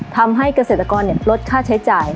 ทำให้เกษตรกรลดค่าใช้จ่าย